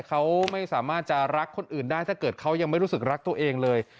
เขาไม่สามารถจะรักคนอื่นได้ถ้าเกิดเขายังไม่รู้สึกรักตัวเองเลย